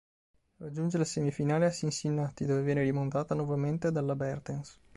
Raggiunge la semifinale a Cincinnati, dove viene rimontata nuovamente dalla Bertens.